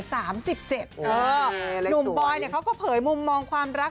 หนุ่มบอยเขาก็เผยมุมมองความรัก